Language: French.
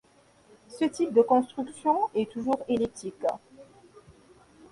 Ce type de construction est toujours elliptique.